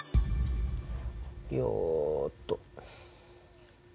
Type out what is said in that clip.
よっと。